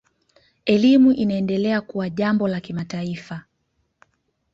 Elimu inaendelea kuwa jambo la kimataifa.